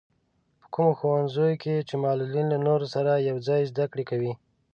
په کومو ښوونځیو کې چې معلولين له نورو سره يوځای زده کړې کوي.